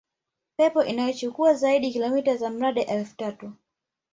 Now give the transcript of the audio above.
pepo inayochukua zaidi ya kilometa za mraba elfu tatu